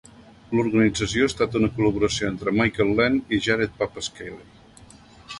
L'organització ha estat una col·laboració entre Michael Lent i Jared Pappas-Kelley.